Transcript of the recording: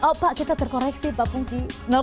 oh pak kita terkoreksi pak pungki